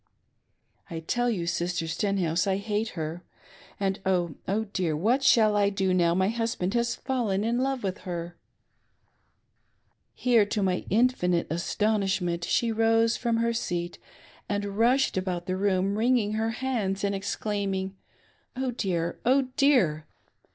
I tell you. Sister Stenhouse, I hate her; and oh, oh, dear what shall I do now my husband has fallen in love with her !" Here, to my infinite astonishment, she rose from her seat and rushed about the room, wringing her hands and exclaim , ing, "Oh dear! Oh dear!"